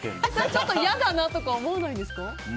ちょっと嫌だなとか思わないですか？